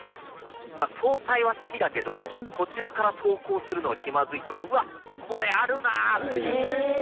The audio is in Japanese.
まあ早退は好きだけど途中から登校するのは気まずいとかうわっこれあるなっていう感じだったんですよ。